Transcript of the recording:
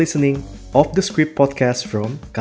terima kasih itu saja